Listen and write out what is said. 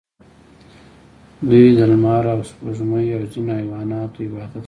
دوی د لمر او سپوږمۍ او ځینو حیواناتو عبادت کاوه